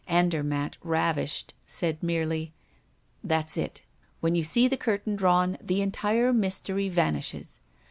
Andermatt, ravished, said merely: "That's it! When you see the curtain drawn, the entire mystery vanishes.